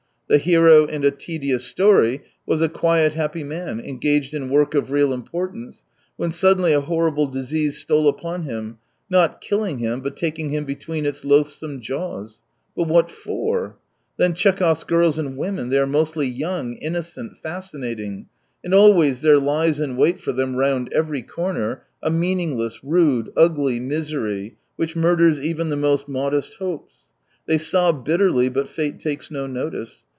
The hero in A Tedious Story was a quiet, happy man engaged in work of real importance, when suddenly a horrible disease stole upon him, not killing him, but taking him between its loathsome jaws. But what for ? Then Tchekhov's girls and women ! They are mostly young, innocent, fascinating. And always there Jies in wait for them round every corner a meaningless, rude, ugly misery which murders even the most modest hopes. They sob bitterly, but fate takes no notice.